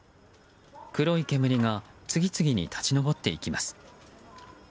黒い煙が次々に立ち上っていきます。